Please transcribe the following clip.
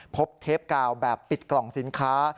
เทปกาวแบบปิดกล่องสินค้า